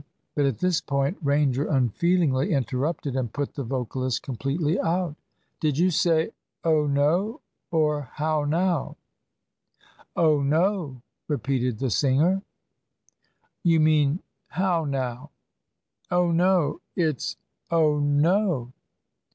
But at this point Ranger unfeelingly interrupted, and put the vocalist completely out. "Did you say `Oh no' or `How now'?" "Oh no," repeated the singer. "You mean h o w n o w?" "Oh no; it's o h n o."